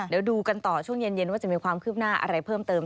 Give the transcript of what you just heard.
เดี๋ยวดูกันต่อช่วงเย็นว่าจะมีความคืบหน้าอะไรเพิ่มเติม